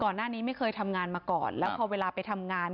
หน้านี้ไม่เคยทำงานมาก่อนแล้วพอเวลาไปทำงาน